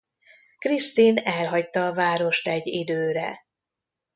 Kristin elhagyta a várost egy időre.